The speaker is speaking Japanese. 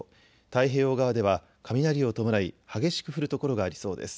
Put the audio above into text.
太平洋側では雷を伴い激しく降る所がありそうです。